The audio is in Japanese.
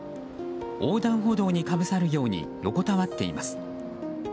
横断歩道にかぶさるように横たわっています。